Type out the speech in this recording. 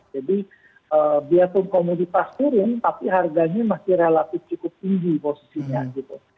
jadi biasa komoditas turun tapi harganya masih relatif cukup tinggi posisinya gitu